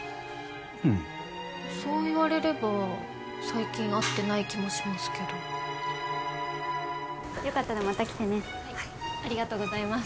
うんそう言われれば最近会ってない気もしますけどよかったらまた来てねはいありがとうございます